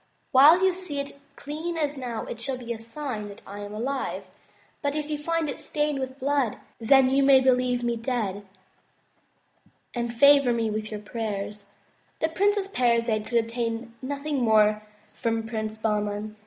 While you see it clean as it is now, it shall be a 62 THE TREASURE CHEST sign that T am alive; but if you find it stained with blood, then you may believe me dead and favor me with your prayers." The Princess Parizade could obtain nothing more from Prince Bahman.